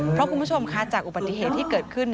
เพราะคุณผู้ชมคะจากอุบัติเหตุที่เกิดขึ้น